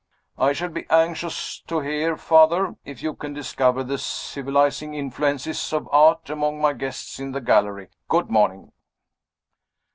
I shall be anxious to hear, Father, if you can discover the civilizing influences of Art among my guests in the gallery. Good morning."